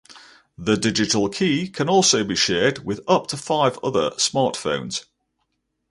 The digital key can also be shared with up to five other smartphones.